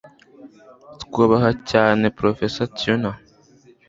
Twubaha cyane Porofeseri Turner.